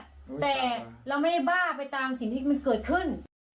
แต่เราไม่ได้บ้าไปตามสิ่งที่มันเกิดขึ้น